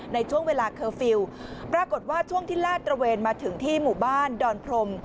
ในช่วงเวลาเคอร์ฟิลล์ปรากฏว่าช่วงที่ลาดตระเวนมาถึงที่หมู่บ้านดอนพรม